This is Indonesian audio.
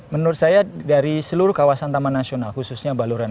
menurut saya dari seluruh kawasan taman nasional khususnya baluran